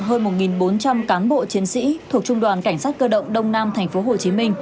hơn một bốn trăm linh cán bộ chiến sĩ thuộc trung đoàn cảnh sát cơ động đông nam tp hcm